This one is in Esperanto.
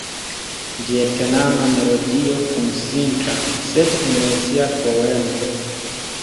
Vjetnama melodio kun simpla, sed emocia poemo.